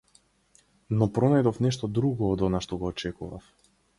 Но пронајдов нешто друго од она што го очекував.